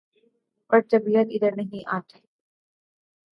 پر طبیعت ادھر نہیں آتی